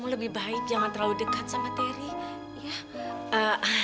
lebih baik jangan terlalu dekat sama terry